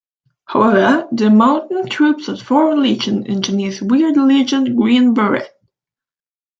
However the mountain troops of the Foreign Legion engineers wear the legion green beret.